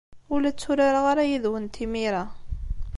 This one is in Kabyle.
Ur la tturareɣ ara yid-went imir-a.